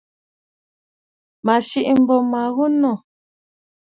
Mə̀ sìʼî m̀bô ma ghu nû.